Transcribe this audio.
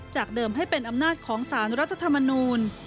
จากเดิมให้เป็นอำนาจของสารรัฐธรรมนูล